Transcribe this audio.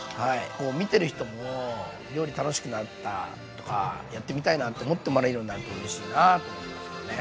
もう見てる人も料理楽しくなったとかやってみたいなって思ってもらえるようになるとうれしいなと思いますけどね。